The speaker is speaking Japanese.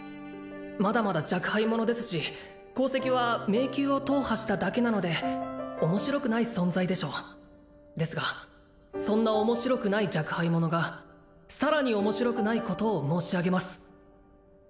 まだまだ若輩者ですし功績は迷宮を踏破しただけなので面白くない存在でしょうですがそんな面白くない若輩者がさらに面白くないことを申し上げます